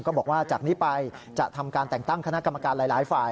บอกว่าจากนี้ไปจะทำการแต่งตั้งคณะกรรมการหลายฝ่าย